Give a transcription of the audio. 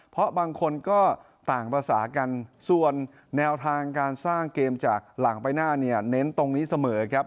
เพราะบางคนก็ต่างภาษากันส่วนแนวทางการสร้างเกมจากหลังใบหน้าเนี่ยเน้นตรงนี้เสมอครับ